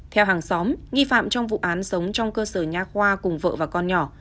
theo hàng xóm nghi phạm trong vụ án sống trong cơ sở nhà khoa cùng vợ và con nhỏ